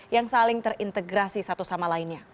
yang saling terintegrasi satu sama lainnya